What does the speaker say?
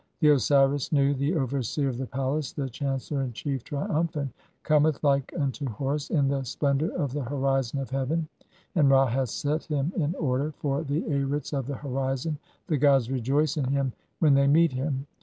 The Osiris Nu, the overseer of the palace, the chan "cellor in chief, triumphant, cometh like unto Horus in the splen "dour of the horizon of heaven, and Ra hath set him in order "(14) for the Arits of the horizon; the gods rejoice in him when "they meet him.